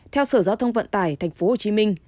theo sở giao thông vận tải tp hcm